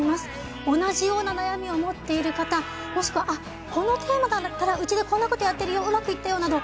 同じような悩みを持っている方もしくはこのテーマだったらうちでこんなことやってるようまくいったよ！など